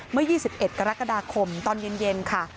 เมื่อ๒๑กรกฎาคมตอนเย็นค่ะ